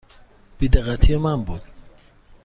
بی دقتی من بود.